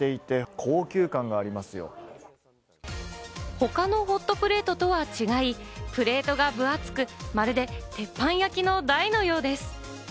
他のホットプレートとは違い、プレートが分厚く、まるで鉄板焼きの台のようです。